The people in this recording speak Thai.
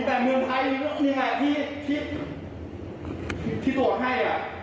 อยู่แปดเมืองไทยมีอย่างไรที่ทอดให้